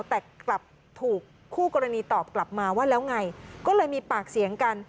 แต่กลับถูกคู่กรณีตอบกลับมาว่าแล้วไงก็เลยมีปากเสียงกัน